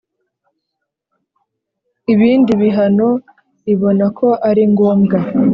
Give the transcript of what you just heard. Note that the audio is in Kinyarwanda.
ibindi bihano ibona ko ari ngombwa